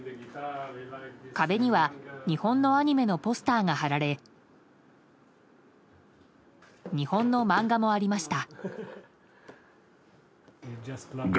壁には日本のアニメのポスターが貼られ日本の漫画もありました。